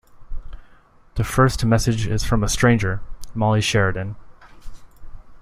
The first message is from a stranger, Molly Sheridan.